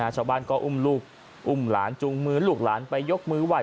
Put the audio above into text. ชาวบ้านก็อุ้มลูกอุ้มหลานจูงมือลูกหลานไปยกมือไห้